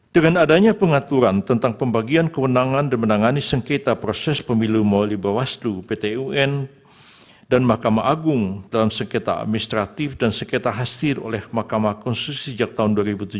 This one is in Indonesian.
dengan adanya pengaturan tentang pembagian kewenangan dan menangani sengketa proses pemilu melalui bawaslu pt un dan mahkamah agung dalam sengketa administratif dan sengketa hasil oleh mahkamah konstitusi sejak tahun dua ribu tujuh belas